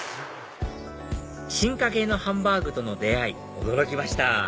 進化系のハンバーグとの出会い驚きました